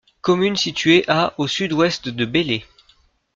Commune située à au sud-ouest de Belley.